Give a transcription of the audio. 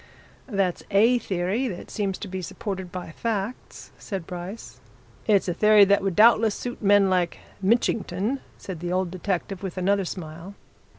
"That's a theory that seems to be supported by facts," said Bryce. "It's a theory that would doubtless suit men like Mitchington," said the old detective, with another smile.